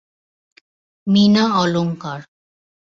মিনা অলঙ্কার